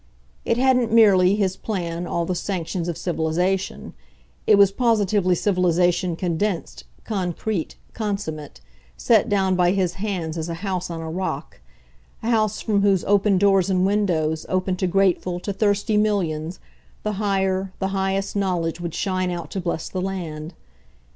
It hadn't merely, his plan, all the sanctions of civilization; it was positively civilization condensed, concrete, consummate, set down by his hands as a house on a rock a house from whose open doors and windows, open to grateful, to thirsty millions, the higher, the highest knowledge would shine out to bless the land.